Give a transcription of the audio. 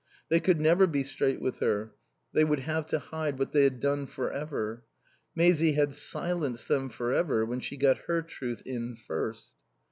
They could never be straight with her; they would have to hide what they had done for ever. Maisie had silenced them for ever when she got her truth in first.